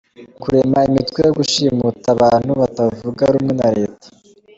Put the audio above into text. – Kurema imitwe yo gushimuta abantu batavuga rumwe na leta;